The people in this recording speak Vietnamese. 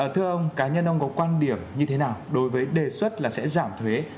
thưa ông cá nhân ông có quan điểm như thế nào đối với đề xuất là sẽ giảm thuế